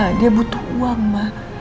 ma dia butuh uang ma